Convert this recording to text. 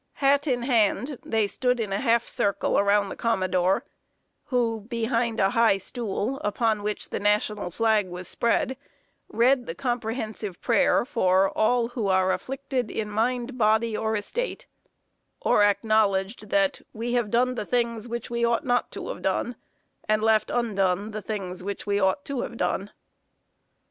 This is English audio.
Hat in hand, they stood in a half circle around the commodore, who, behind a high stool, upon which the National flag was spread, read the comprehensive prayer for "All who are afflicted in mind, body, or estate," or acknowledged that "We have done the things which we ought not to have done, and left undone the things which we ought to have done."